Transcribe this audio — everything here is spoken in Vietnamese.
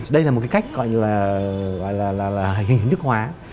đây là một cái cách gọi là